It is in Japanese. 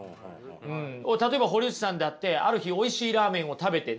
例えば堀内さんだってある日おいしいラーメンを食べてね